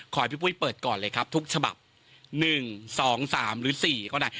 ขอให้พี่ปุ้ยเปิดก่อนเลยครับทุกฉบับ๑๒๓หรือ๔ก็ได้